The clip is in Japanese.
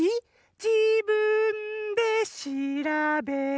「じぶんでしらべて」